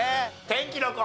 『天気の子』。